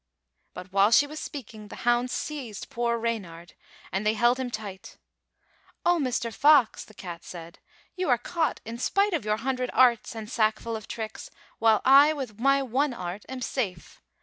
'^ But while she was speaking the hounds seized poor Reynard, and they held him tight. "O Mr. Fox," the cat said, "you are caught in spite of your hundred arts and sackful of tricks, while I with my one art am safe.